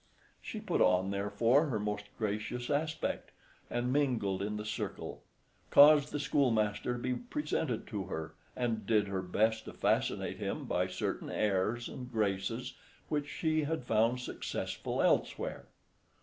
She put on, therefore, her most gracious aspect, and mingled in the circle; caused the schoolmaster to be presented to her, and did her best to fascinate him by certain airs and graces which she had found successful elsewhere.